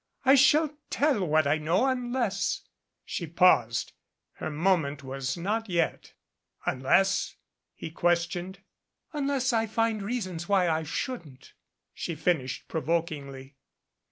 I shall tell what I know, unless She paused. Her moment was not yet. "Unless?" he questioned. "Unless I find reasons why I shouldn't," she finished provokingly.